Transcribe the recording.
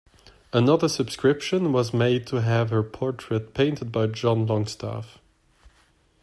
Another subscription was made to have her portrait painted by John Longstaff.